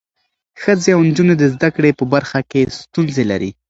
ښځې او نجونې د زده کړې په برخه کې ستونزې لري.